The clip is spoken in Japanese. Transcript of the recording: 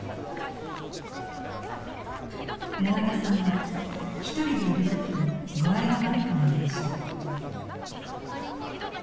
永田さんはひとりでいる時に具合が悪くなりました。